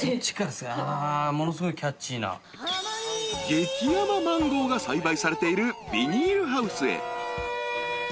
［激甘マンゴーが栽培されているビニールハウスへ］